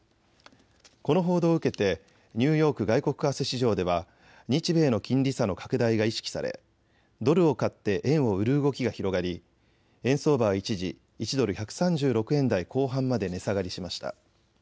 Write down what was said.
この報道を受けてニューヨーク外国為替市場では日米の金利差の拡大が意識され、ドルを買って円を売る動きが広がり円相場は一時１ドル１３６円台後半まで値下がりしました。